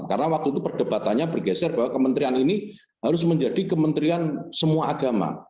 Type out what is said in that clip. karena waktu itu perdebatannya bergeser bahwa kementerian ini harus menjadi kementerian semua agama